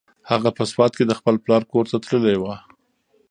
هغه په سوات کې د خپل پلار کور ته تللې وه.